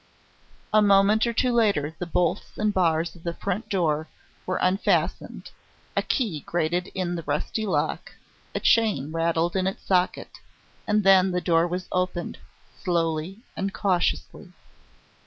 A moment or two later the bolts and bars of the front door were unfastened, a key grated in the rusty lock, a chain rattled in its socket, and then the door was opened slowly and cautiously.